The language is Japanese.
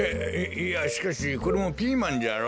いやしかしこれもピーマンじゃろ？